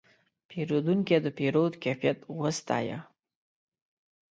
پیرودونکی د پیرود کیفیت وستایه.